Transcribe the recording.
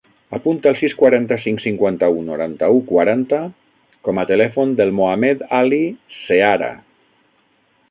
Apunta el sis, quaranta-cinc, cinquanta-u, noranta-u, quaranta com a telèfon del Mohamed ali Seara.